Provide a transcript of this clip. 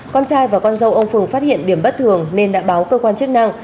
con trai và con dâu ông phường phát hiện điểm bất thường nên đã báo cơ quan chức năng